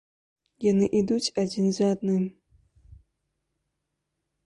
Яны ідуць адзін за адным.